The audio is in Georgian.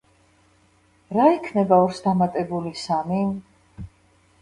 რა იქნება ორს დამატებული სამი?